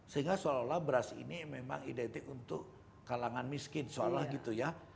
sehingga seolah olah beras ini memang identik untuk kalangan miskin seolah gitu ya